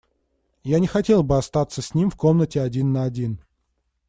Я не хотел бы остаться с ним в комнате один на один.